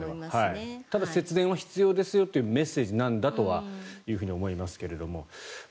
ただ、節電は必要ですよというメッセージなんだとは思いますけれども。